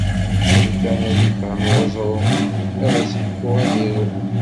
Lukan ad ifhem uẓru, ad as-ḥkuɣ ad iru.